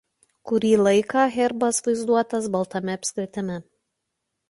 Kurį laiką herbas vaizduotas baltame apskritime.